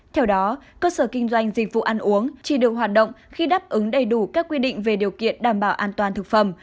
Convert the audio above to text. theo đó cơ sở kinh doanh dịch vụ ăn uống chỉ được hoạt động khi đáp ứng đầy đủ các quy định về điều kiện đảm bảo an toàn thực phẩm